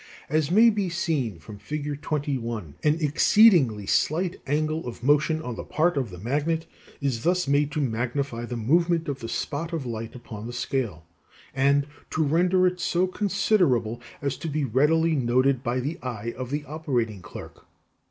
As may be seen from Fig. 21, an exceedingly slight angle of motion on the part of the magnet (a) is thus made to magnify the movement of the spot of light upon the scale (f), and to render it so considerable as to be readily noted by the eye of the operating clerk.